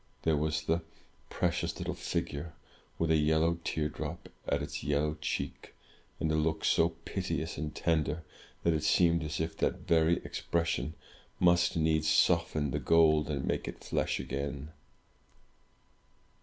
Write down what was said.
There was the pre cious little figure, with a yellow teardrop on its yellow cheek, and a look so piteous and tender, that it seemed as if that very expression must needs soften the gold, and make it flesh again.